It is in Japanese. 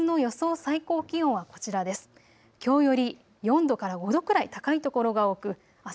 最高気温はこちらです。